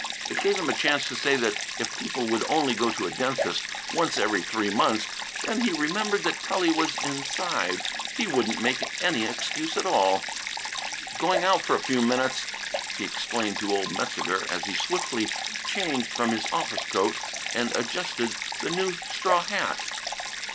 It gave him a chance to say that if people would only go to a dentist once every three months Then he remembered that Tully was inside. He wouldn't make any excuse at all. "Going out a few minutes," he explained to old Metzeger as he swiftly changed from his office coat and adjusted the new straw hat.